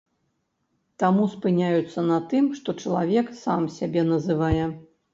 Таму спыняюцца на тым, што чалавек сам сябе называе.